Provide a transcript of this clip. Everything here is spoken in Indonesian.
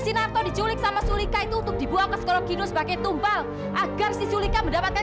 sinar tadi sulit sama sulika itu untuk dibuang ke skorokinus pakai tumpal agar si sulika mendapatkan